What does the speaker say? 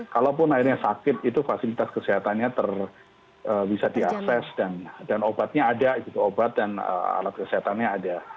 kalaupun akhirnya sakit itu fasilitas kesehatannya bisa diakses dan obatnya ada gitu obat dan alat kesehatannya ada